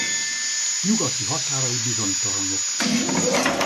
Nyugati határai bizonytalanok.